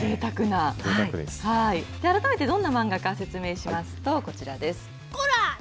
改めてどんな漫画か説明しますと、こちらです。